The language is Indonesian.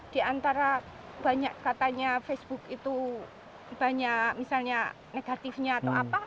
di antara banyak katanya facebook itu banyak misalnya negatifnya atau apa